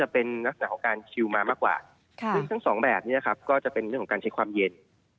เป็นเรื่องของการใช้ความเย็น